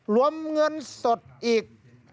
รวมเงินสดอีก